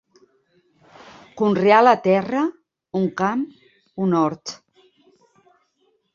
Conrear la terra, un camp, un hort.